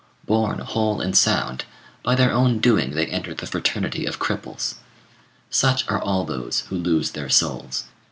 Born whole and sound, by their own doing they enter the fraternity of cripples. Such are all those who lose their souls.